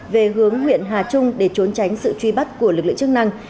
về hướng huyện hà trung để trốn tránh sự truy bắt của lực lượng chức năng